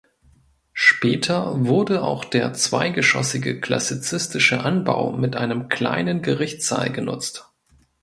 Später wurde auch der zweigeschossige klassizistische Anbau mit einem kleinen Gerichtssaal genutzt.